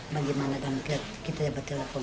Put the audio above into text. bagaimana kita jawab telepon